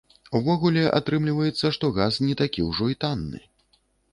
Увогуле, атрымліваецца, што газ не такі ўжо і танны.